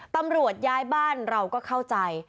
ตำรวจย้ายบ้านเราก็เข้าใจ